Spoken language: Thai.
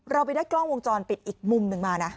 เราไปได้กล้องวงจรปิดอีกมุมหนึ่งมานะ